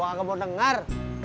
ah gue gak mau denger